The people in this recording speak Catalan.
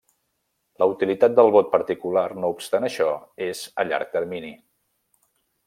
La utilitat del vot particular, no obstant això, és a llarg termini.